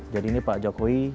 jadi ini pak jokowi